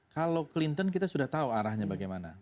kalau clinton kita sudah tahu arahnya bagaimana